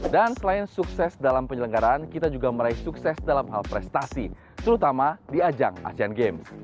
dan selain sukses dalam penyelenggaraan kita juga meraih sukses dalam hal prestasi terutama di ajang asean games